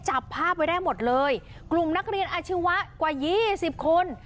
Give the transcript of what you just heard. จับภาพไว้ได้หมดเลยกลุ่มนักเรียนอาชีวะกว่ายี่สิบคน